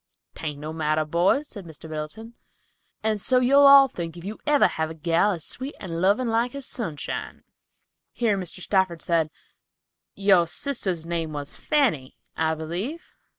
"'Tain't no laughin' matter, boys," said Mr. Middleton, "and so you'll all think if you ever have a gal as sweet and lovin' like as Sunshine." Here Mr. Stafford said, "Your sister's name was Fanny, I believe."